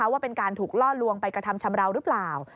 ว่าเป็นการถูกล่อลวงไปกระทำชำราวหรือเปล่า